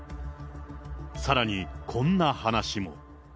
さらにこんな話も。